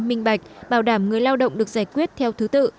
minh bạch bảo đảm người lao động được giải quyết theo thứ tự